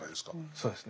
そうですね。